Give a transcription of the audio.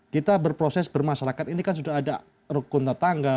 kita berproses bermasyarakat ini kan sudah ada rukun tetangga